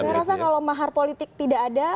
saya rasa kalau mahar politik tidak ada